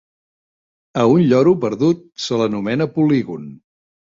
A un lloro perdut se l'anomena polígon.